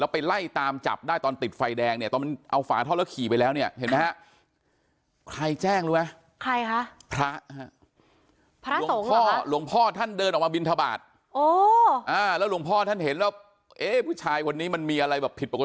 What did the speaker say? แล้วไปไล่ตามจับได้ตอนติดไฟแดงตอนเอาฝาท่อแล้วขี่ไปแล้วเนี่ย